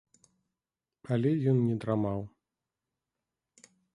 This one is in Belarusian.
Але ён не драмаў.